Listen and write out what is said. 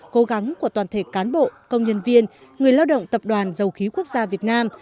cố gắng của toàn thể cán bộ công nhân viên người lao động tập đoàn dầu khí quốc gia việt nam